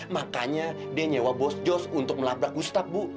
makanya dia nyewa bos jos untuk melabrak ustab bu